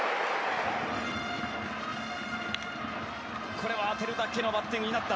これは当てるだけのバッティングになった。